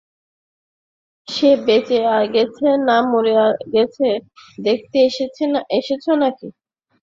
সে বেঁচে গেছে না মরে গেছে দেখতে এসেছে নাকি?